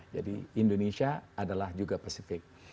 jadi indonesia adalah juga pasifik